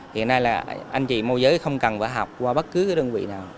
hiện nay là anh chị môi giới không cần phải học qua bất cứ đơn vị nào